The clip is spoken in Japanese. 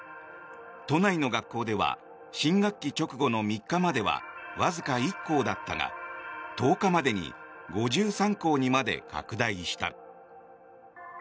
都内の学校では新学期直後の３日まではわずか１校だったが１０日までに５３校にまで拡大した。